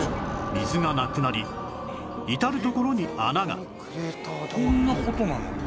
水がなくなり至る所に穴がこんな事になるの？